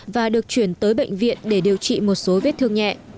và được chuyển tới bệnh viện để điều trị một số vết thương nhẹ